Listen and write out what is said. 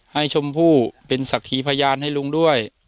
ชมพู่เป็นศักดิ์พยานให้ลุงด้วย